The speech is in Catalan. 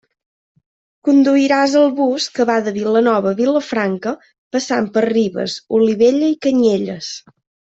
Conduiràs el bus que va de Vilanova a Vilafranca passant per Ribes, Olivella i Canyelles.